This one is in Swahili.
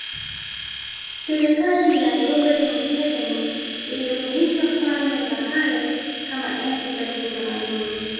Serikali ya Yoweri Museveni ilirudisha falme za kale kama enzi za kiutamaduni